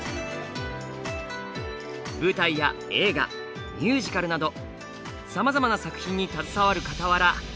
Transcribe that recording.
舞台や映画ミュージカルなどさまざまな作品に携わるかたわら